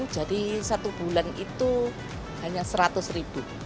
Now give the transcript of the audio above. jadi satu bulan itu hanya rp seratus